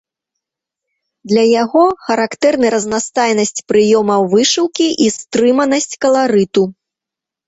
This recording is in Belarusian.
Для яго характэрны разнастайнасць прыёмаў вышыўкі і стрыманасць каларыту.